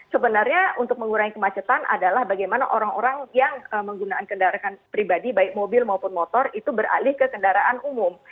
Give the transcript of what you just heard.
sebenarnya untuk mengurangi kemacetan adalah bagaimana orang orang yang menggunakan kendaraan pribadi baik mobil maupun motor itu beralih ke kendaraan umum